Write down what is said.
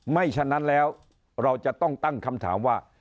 ฉะนั้นแล้วเราจะต้องตั้งคำถามว่า